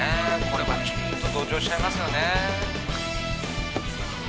これはちょっと同情しちゃいますよね